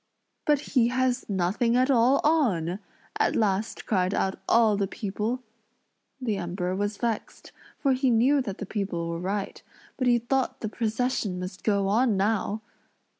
"But he has nothing at all on!" at last cried out all the people. The Emperor was vexed, for he knew that the people were right; but he thought the procession must go on now!